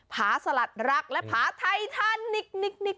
ผาสลัดรักและผาไทยท่านนิก